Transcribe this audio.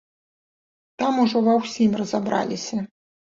Там ужо ва ўсім разабраліся.